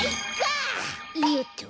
よっと。